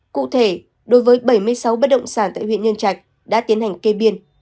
cụ thể đối với bảy mươi sáu bất động sản tại huyện nhân trạch đã tiến hành kê biên